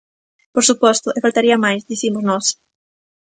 Por suposto, e faltaría máis, dicimos nós!